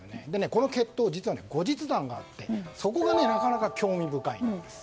この決闘には後日談があってそこがなかなか興味深いんです。